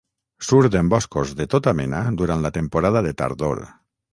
Surt en boscos de tota mena durant la temporada de tardor.